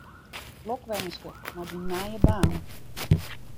Lokwinske mei dyn nije baan.